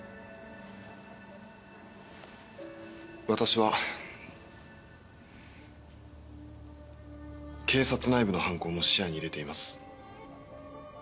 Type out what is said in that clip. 私は警察内部の犯行も視野に入れています。